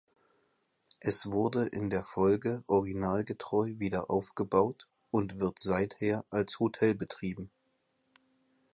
Es wurde in der Folge originalgetreu wieder aufgebaut und wird seither als Hotel betrieben.